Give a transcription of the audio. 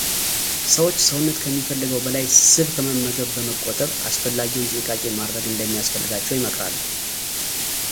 ሰዎች ሰውነት ከሚፈልገው በላይ ስብ ከመመገብ በመቆጠብ አስፈላጊውን ጥንቃቄ ማድረግ እንደሚያስፈልጋቸው ይመክራሉ።